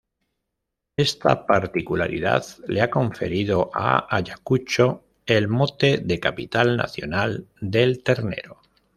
Esta particularidad le han conferido a Ayacucho el mote de "Capital Nacional del Ternero".